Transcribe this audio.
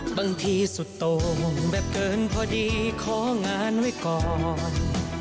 บางทีสุดโต่งแบบเกินพอดีของานไว้ก่อน